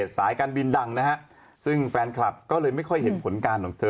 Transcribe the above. สายการบินดังนะฮะซึ่งแฟนคลับก็เลยไม่ค่อยเห็นผลการของเธอ